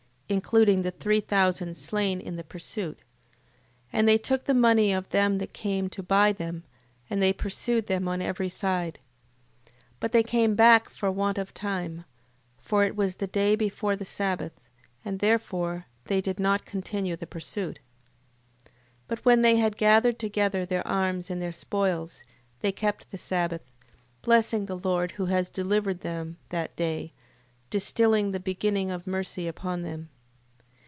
including the three thousand slain in the pursuit. 8:25. And they took the money of them that came to buy them, and they pursued them on every side. 8:26. But they came back for want of time: for it was the day before the sabbath: and therefore they did not continue the pursuit. 8:27. But when they had gathered together their arms and their spoils, they kept the sabbath: blessing the Lord who had delivered them that day, distilling the beginning of mercy upon them.